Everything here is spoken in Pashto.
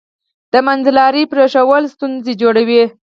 د منځلارۍ پریښودل ستونزې جوړوي.